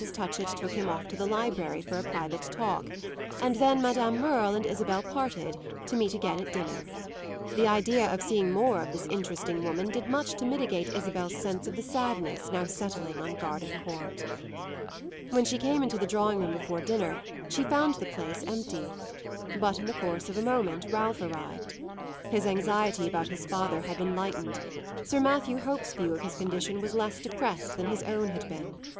Touchett took him off to the library for a private talk; and then Madame Merle and Isabel parted, to meet again at dinner. The idea of seeing more of this interesting woman did much to mitigate Isabel's sense of the sadness now settling on Gardencourt. When she came into the drawing room before dinner she found the place empty; but in the course of a moment Ralph arrived. His anxiety about his father had been lightened; Sir Matthew Hope's view of his condition was less depressed than his own had been.